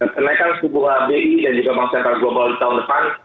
kenaikan suku bunga bi dan juga bank sentral global di tahun depan